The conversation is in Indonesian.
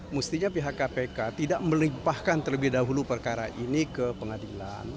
mestinya pihak kpk tidak melimpahkan terlebih dahulu perkara ini ke pengadilan